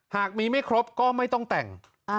หากมีไม่ครบก็ไม่ต้องแต่ง